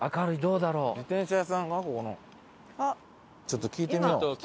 ちょっと聞いてみよう。